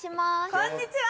こんにちは！